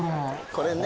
これね。